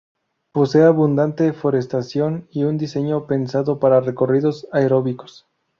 Posee abundante forestación y un diseño pensado para recorridos aeróbicos.